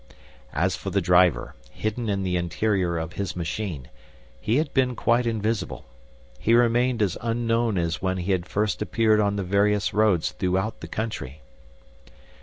As for the driver, hidden in the interior of his machine, he had been quite invisible. He remained as unknown as when he had first appeared on the various roads throughout the country.